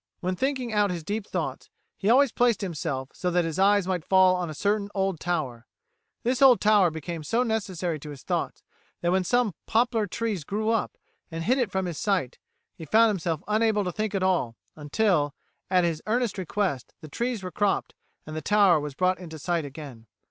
When thinking out his deep thoughts, he always placed himself so that his eyes might fall on a certain old tower. This old tower became so necessary to his thoughts, that when some poplar trees grew up and hid it from his sight, he found himself unable to think at all, until, at his earnest request, the trees were cropped and the tower was brought into sight again.